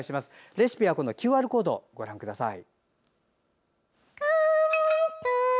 レシピはＱＲコードご覧ください。